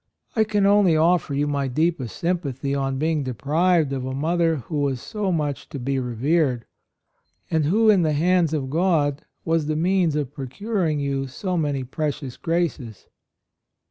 I can only offer you my deepest sympathy on being deprived of a mother who was so much to be revered, and who in the hands of God 112 A ROYAL SON was the means of procuring you so many precious graces."